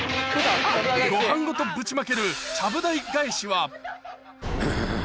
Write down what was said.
ごはんごとぶちまけるちゃぶ台返しは。